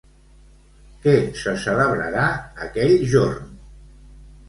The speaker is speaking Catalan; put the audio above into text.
Què se celebrarà, aquell jorn?